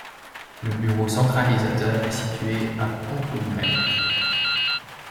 Le bureau centralisateur est situé à Pont-Audemer.